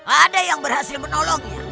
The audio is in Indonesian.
ada yang berhasil menolongnya